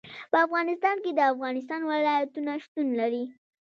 په افغانستان کې د افغانستان ولايتونه شتون لري.